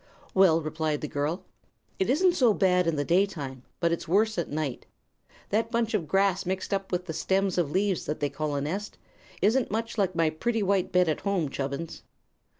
"Well," replied the girl, "it isn't so bad in the daytime, but it's worse at night. That bunch of grass mixed up with the stems of leaves, that they call a nest, isn't much like my pretty white bed at home, Chubbins."